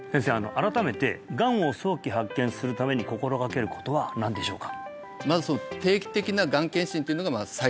改めてがんを早期発見するために心がけることは何でしょうか？